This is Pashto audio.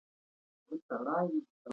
په غزني کې خبریږي چې د پکتیا لیاره سخته ده.